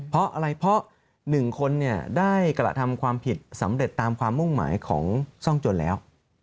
เพราะอะไรเพราะ๑คนได้กระทำความผิดสำเร็จตามความมุ่งหมายของซ่องจนแล้ว